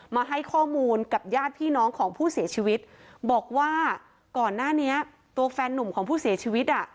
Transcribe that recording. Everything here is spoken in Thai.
มาให้ข้อมูลกับญาติพี่น้องของผู้เสียชีวิตบอกว่าก่อนหน้านี้ตัวแฟนนุ่มของผู้เสียชีวิตอ่ะ